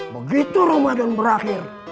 begitu ramadhan berakhir